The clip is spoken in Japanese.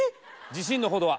自信のほどは？